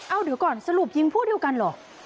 เอาเดี๋ยวก่อนสรุปยิงพวกเดียวกันเหรอ